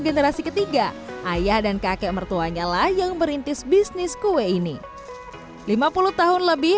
generasi ketiga ayah dan kakek mertuanya lah yang merintis bisnis kue ini lima puluh tahun lebih